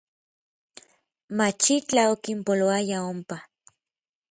Machitlaj okinpoloaya onpa.